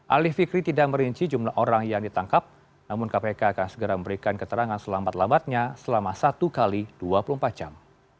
ali fikri tidak merinci jumlah orang yang ditangkap namun kpk akan segera memberikan keterangan selambat lambatnya selama satu x dua puluh empat jam